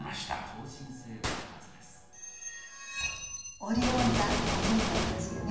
オリオン座なじみがありますよね？